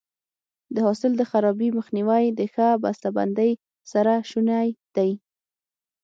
د حاصل د خرابي مخنیوی د ښه بسته بندۍ سره شونی دی.